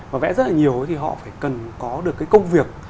và vẽ rất là nhiều thì họ phải cần có được cái công việc